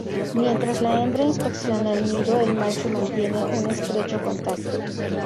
Mientras la hembra inspecciona el nido, el macho mantiene un estrecho contacto.